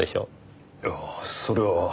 いやあそれは。